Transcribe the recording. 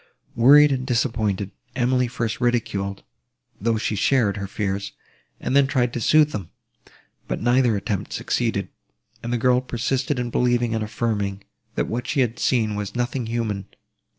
Wearied and disappointed, Emily first ridiculed, though she shared, her fears, and then tried to sooth them; but neither attempt succeeded, and the girl persisted in believing and affirming, that what she had seen was nothing human.